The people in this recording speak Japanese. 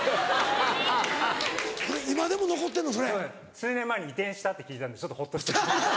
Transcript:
数年前に移転したって聞いたんでちょっとほっとして。